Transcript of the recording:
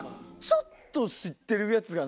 ちょっと知ってるヤツが。